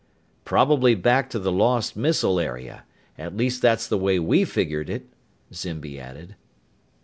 "Probably back to the lost missile area. At least that's the way we figured it," Zimby added.